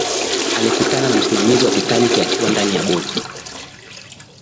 alikutana na msimamizi wa titanic akiwa ndani ya bodi